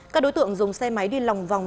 các đối tượng dùng xe máy đi lòng vòng